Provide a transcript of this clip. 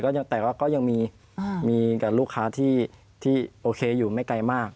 ก็ยังแต่ว่าก็ยังมีอือมีกับลูกค้าที่ที่โอเคอยู่ไม่ไกลมาก